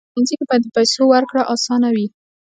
په پلورنځي کې باید د پیسو ورکړه اسانه وي.